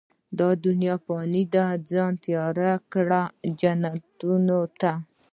دا دنيا فاني ده، ځان تيار کړه، جنتونو ته